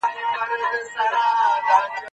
زه پرون سیر وکړ!؟